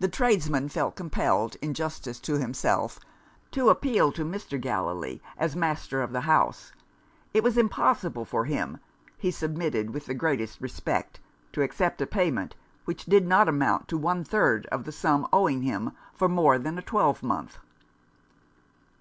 The tradesman felt compelled, in justice to himself, to appeal to Mr. Gallilee, as master of the house (!). It was impossible for him (he submitted with the greatest respect) to accept a payment, which did not amount to one third of the sum owing to him for more than a twelvemonth.